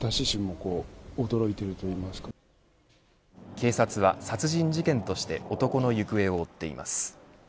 警察は、殺人事件として男の行方を追っています。